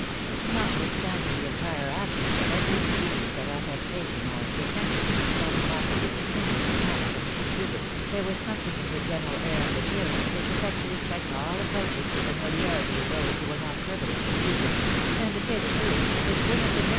Notwithstanding the entire absence of every species of affectation or pretension which so remarkably distinguished the manners of Mrs. Hubert, there was something in her general air and appearance which effectually checked all ap proaches to famiharity in those who were not privileged to use it — and, to say the truth, it would have been diflB.